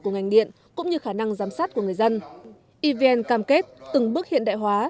của ngành điện cũng như khả năng giám sát của người dân evn cam kết từng bước hiện đại hóa